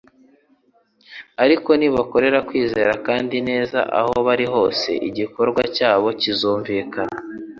ariko nibakorana kwizera kandi neza, aho bari hose igikorwa cyabo kizumvikana,